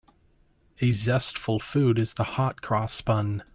A zestful food is the hot-cross bun.